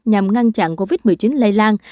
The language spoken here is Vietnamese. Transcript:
nhằm ngăn chặn covid một mươi chín lây lan